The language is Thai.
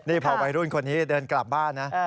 นี่พอวัยรุ่นคนนี้เดินกลับบ้านนะ